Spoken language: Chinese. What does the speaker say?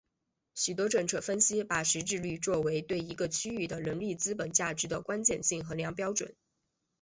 许多政策分析把识字率作为对一个区域的人力资本价值的关键性衡量标准。